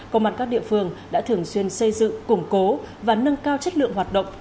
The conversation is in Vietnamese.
công an các địa phương đã thường xuyên xây dựng củng cố và nâng cao chất lượng hoạt động